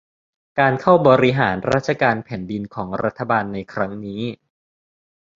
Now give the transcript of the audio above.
การเข้าบริหารราชการแผ่นดินของรัฐบาลในครั้งนี้